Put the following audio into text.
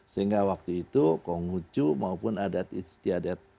sehingga waktu itu konghucu maupun adat istiadat